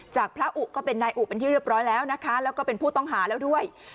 จากพระอุก็เป็นนายอุเป็นที่เรียบร้อยแล้วนะคะแล้วก็เป็นผู้ต้องหาแล้วด้วย